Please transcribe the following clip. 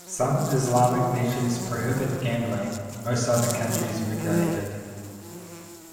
Some Islamic nations prohibit gambling; most other countries regulate it.